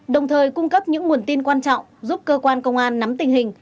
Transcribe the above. đồng thời cung cấp những nguồn tin quan trọng giúp cơ quan công an nắm tình hình